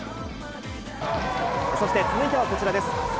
そして続いてはこちらです。